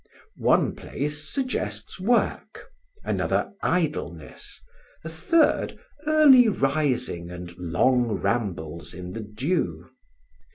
One place suggests work, another idleness, a third early rising and long rambles in the dew.